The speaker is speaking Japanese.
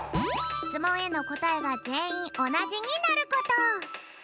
しつもんへのこたえがぜんいんおなじになること。